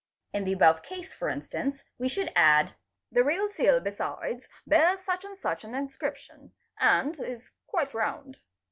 In the above case for instance we should add :—''The real seal besides bears such and such an inscription, and is quite round."